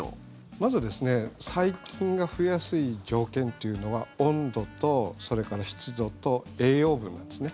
まず、細菌が増えやすい条件っていうのは温度と、それから湿度と栄養分なんですね。